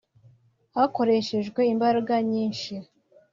hakoreshejwe imbaraga nyinshi